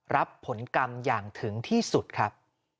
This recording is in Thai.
รับผลกรรมอย่างถึงที่สุดครับ